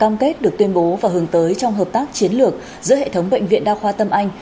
cam kết được tuyên bố và hướng tới trong hợp tác chiến lược giữa hệ thống bệnh viện đa khoa tâm anh